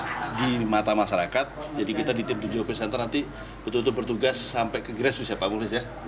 tim ini di mata masyarakat jadi kita di tim tujuh peserta nanti betul betul bertugas sampai ke grassroots ya pak mufis ya